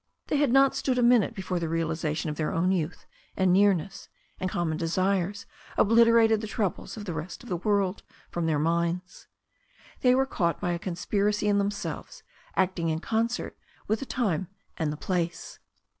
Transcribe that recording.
They had not stood a minute before the realization of their own youth and nearness and common desires oblit erated the troubles of the rest of the world from their minds. They were caught by a conspiracy in themselves acting in concert with the time and the place.